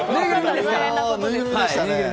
ぬいぐるみでしたね。